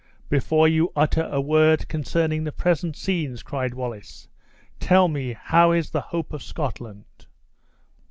"Before you utter a word concerning the present scenes," cried Wallace, "tell me how is the hope of Scotland?